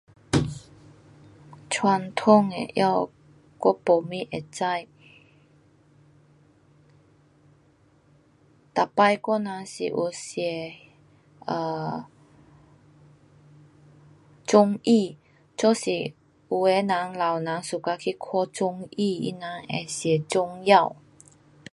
传统的药我没什么会知，每次我人是有吃的 um 综艺，就是有的人老人 suka 去看综艺，他们会吃中药。